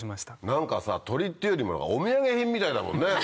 何か鳥っていうよりもお土産品みたいだもんね。